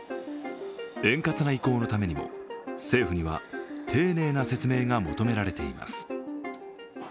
円滑な移行のためにも政府には丁寧な説明が求められています。